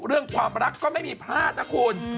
เรื่องความรักก็ไม่มีพลาดนะคุณ